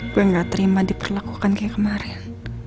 gue gak terima diperlakukan kayak kemarin